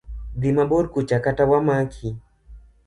Dhi mabor kucha kata wamaki.